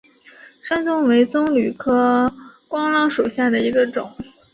山棕为棕榈科桄榔属下的一个种。